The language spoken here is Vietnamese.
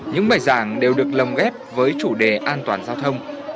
những bài giảng đều được lồng ghép với chủ đề an toàn giao thông